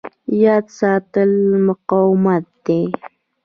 یاد ساتل مقاومت دی.